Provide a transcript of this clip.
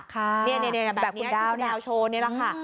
แบบนี้แบบที่ดาวน์โชว์นี่แหละค่ะ